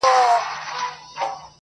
په دنیا کي چي هر څه کتابخانې دي٫